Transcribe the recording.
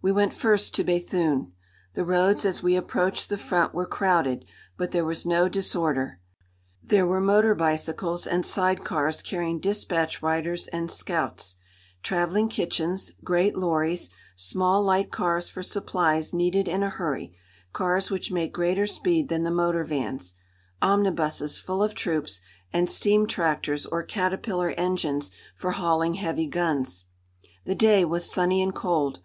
We went first to Béthune. The roads as we approached the front were crowded, but there was no disorder. There were motor bicycles and side cars carrying dispatch riders and scouts, travelling kitchens, great lorries, small light cars for supplies needed in a hurry cars which make greater speed than the motor vans omnibuses full of troops, and steam tractors or caterpillar engines for hauling heavy guns. The day was sunny and cold.